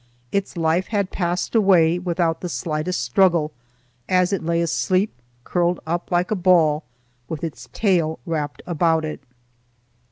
Its life had passed away without the slightest struggle, as it lay asleep curled up like a ball, with its tail wrapped about it.